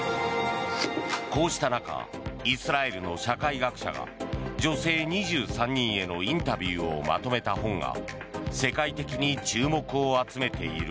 こうした中イスラエルの社会学者が女性２３人へのインタビューをまとめた本が世界的に注目を集めている。